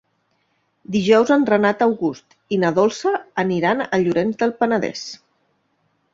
Dijous en Renat August i na Dolça aniran a Llorenç del Penedès.